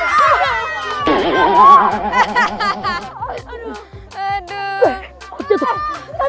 gak tau gak tau